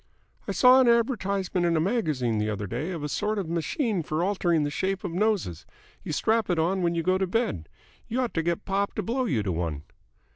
"I saw an advertisement in a magazine the other day of a sort of machine for altering the shape of noses. You strap it on when you go to bed. You ought to get pop to blow you to one."